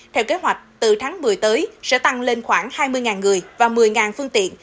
theo kế hoạch từ tháng một mươi tới sẽ tăng lên khoảng hai mươi người và một mươi phương tiện